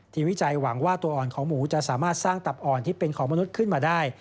วิจัยหวังว่าตัวอ่อนของหมูจะสามารถสร้างตับอ่อนที่เป็นของมนุษย์ขึ้นมาได้